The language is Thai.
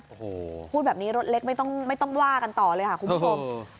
โอ้โหพูดแบบนี้รถเล็กไม่ต้องว่ากันต่อเลยค่ะคุณผู้ชม